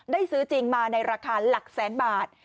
ซื้อจริงมาในราคาหลักแสนบาท